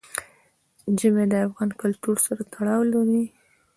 ژمی د افغان کلتور سره تړاو لري.